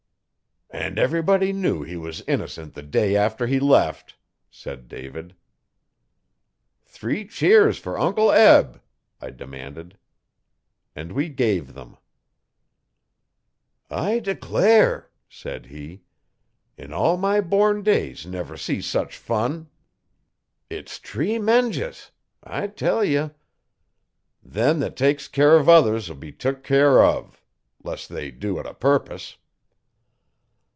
'And everybody knew he was innocent the day after he left,' said David. 'Three cheers for Uncle Eb!' I demanded. And we gave them. 'I declare!' said he. 'In all my born days never see sech fun. It's tree menjious! I tell ye. Them 'et takes care uv others'll be took care uv 'less they do it o'purpose.'